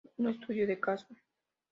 Un estudio de caso".